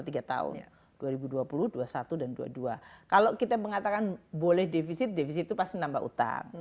tiga tahun dua ribu dua puluh dua puluh satu dan dua puluh dua kalau kita mengatakan boleh defisit defisit itu pasti nambah utang